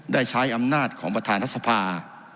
ได้ใช้อำนาจของประธานรัฐสภา